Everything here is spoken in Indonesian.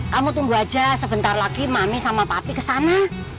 kamu tunggu aja sebentar lagi mami sama papi kesana